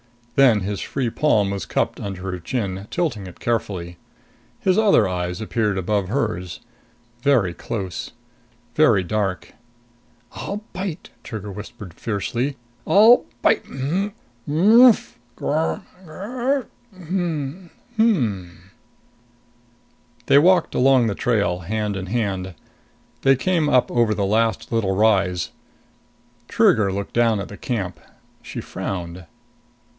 Then his free palm was cupped under her chin, tilting it carefully. His other eyes appeared above hers. Very close. Very dark. "I'll bite!" Trigger whispered fiercely. "I'll bi mmph! "Mmmph grrmm! "Grr mm mhm.... Hm m m ... mhm!" They walked on along the trail, hand in hand. They came up over the last little rise. Trigger looked down on the camp. She frowned.